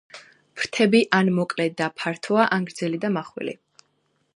ფრთები ან მოკლე და ფართოა, ან გრძელი და მახვილი.